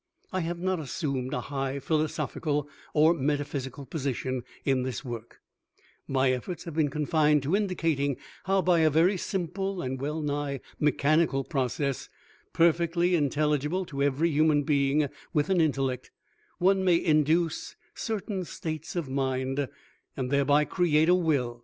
I have not assumed a high philosophical or metaphysical position in this work; my efforts have been confined to indicating how by a very simple and well nigh mechanical process, perfectly intelligible to every human being with an intellect, one may induce certain states of mind and thereby create a Will.